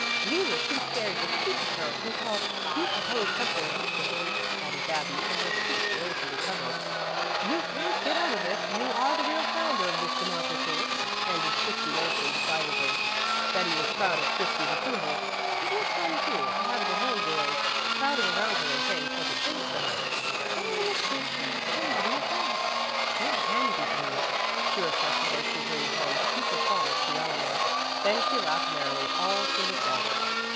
We were too scared to speak of her until you proposed something like it," added Babbie in her sweet, lilting treble. "You can't get out of it. You are the real founder of this democracy," ended Christy Mason decidedly. Betty was proud of Christy's approval. It was fun, too, to have the Hill girls crowding around and saying pleasant things to her. "I almost think I'm somebody at last. Won't Nan be pleased!" she reflected as she hurried home to keep her promise to Eleanor. Then she laughed merrily all to herself.